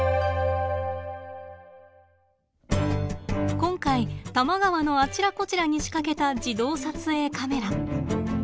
今回多摩川のあちらこちらに仕掛けた自動撮影カメラ。